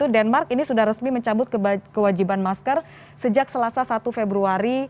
denmark ini sudah resmi mencabut kewajiban masker sejak selasa satu februari